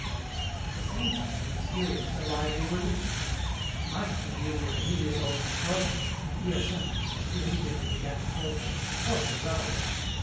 At the same time he experienced a lively relief. He might have been dealing with a hideous old crone, and Hyacinthe, as he immediately began to call her, was desirable.